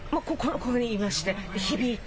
ここにいまして、響いて。